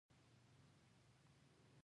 د چهارمغز ونه سل کاله ژوند کوي؟